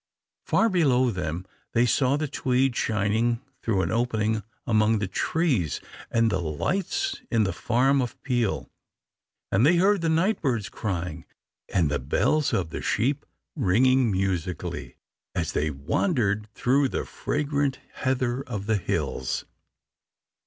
Far below them they saw the Tweed shining through an opening among the trees, and the lights in the farm of Peel, and they heard the nightbirds crying, and the bells of the sheep ringing musically as they wandered through the fragrant heather on the hills.